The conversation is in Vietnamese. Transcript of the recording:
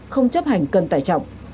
không chấp hành cân tài trọng